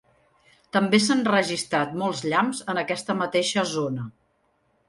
També s’han registrat molts llamps en aquesta mateixa zona.